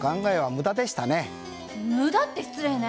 無駄って失礼ね！